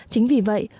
chính vì vậy